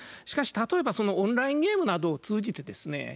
しかし例えばオンラインゲームなどを通じてですね